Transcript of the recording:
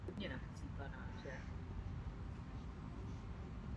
Později se specializovala výhradně na judo kvůli možnosti startovat na olympijských hrách.